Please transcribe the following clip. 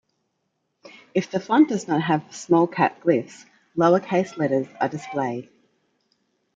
If the font does not have small-cap glyphs, lowercase letters are displayed.